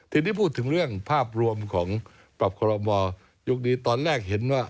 ทีนี้พูดถึงเรื่องภาพรวมของปรับคอรมอลยุคนี้ตอนแรกเห็นว่า